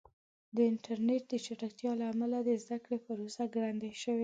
د انټرنیټ د چټکتیا له امله د زده کړې پروسه ګړندۍ شوې ده.